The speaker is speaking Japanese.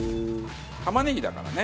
玉ねぎだからね。